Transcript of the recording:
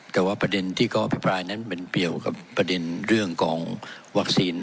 แต่ว่าประเด็นที่ก็เป็นเปรียบกับประเด็นเรื่องของวัคซีน